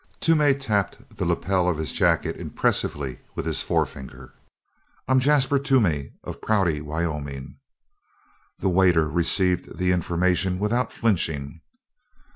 Toomey tapped the lapel of his jacket impressively with his forefinger. "I'm Jasper Toomey of Prouty, Wyoming." The waiter received the information without flinching.